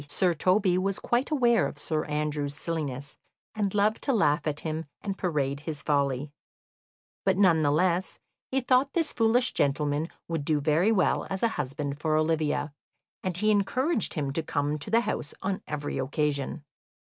Sir Toby was quite aware of Sir Andrew's silliness, and loved to laugh at him and parade his folly; but none the less he thought this foolish gentleman would do very well as a husband for Olivia, and he encouraged him to come to the house on every occasion.